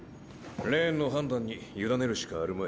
レーンの判断に委ねるしかあるまい。